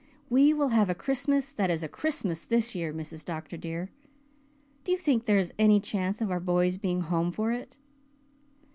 We will have a Christmas that is a Christmas this year, Mrs. Dr. dear. Do you think there is any chance of our boys being home for it?"